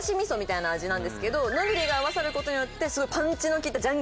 みたいな味なんですけどノグリが合わさることによってすごいパンチの効いた。